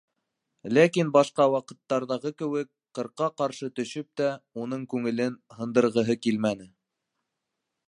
Ләкин башҡа ваҡыттарҙағы кеүек, ҡырҡа ҡаршы төшөп тә, уның күңелен һындырғыһы килмәне.